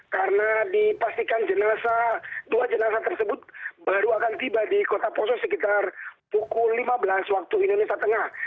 karena dipastikan jenazah dua jenazah tersebut baru akan tiba di kota poso sekitar pukul lima belas waktu indonesia tengah